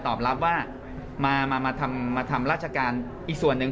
ตอบรับว่ามาทำมาทำราชการอีกส่วนหนึ่ง